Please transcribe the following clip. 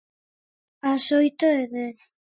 Ás oito e dez.